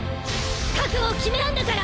覚悟を決めたんだから！